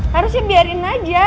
harusnya biarin aja